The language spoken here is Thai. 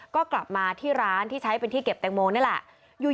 ก็กลับมาที่ร้านที่ใช้เป็นที่เก็บแตงโมนี่แหละ